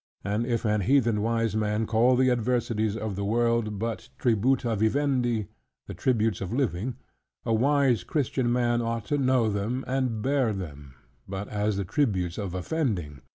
And if an heathen wise man call the adversities of the world but "tributa vivendi," "the tributes of living;" a wise Christian man ought to know them, and bear them, but as the tributes of offending.